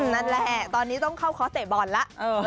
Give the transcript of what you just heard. นั่นแหละตอนนี้ต้องเข้าคอร์สเตะบอลแล้ว